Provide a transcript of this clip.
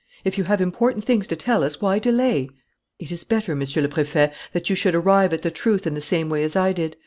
"If you have important things to tell us, why delay?" "It is better, Monsieur le Préfet, that you should arrive at the truth in the same way as I did.